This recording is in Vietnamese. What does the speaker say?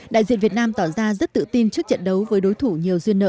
đại diện việt nam tỏ ra rất tự tin trước trận đấu với đối thủ nhiều duyên nợ